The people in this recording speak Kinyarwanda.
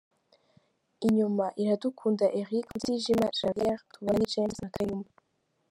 Inyuma:Iradukunda Eric, Mutijima Javier, Tubane James na Kayumba .